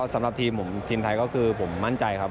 สำหรับทีมผมทีมไทยก็คือผมมั่นใจครับ